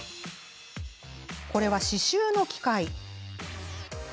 これは、刺しゅうの機械。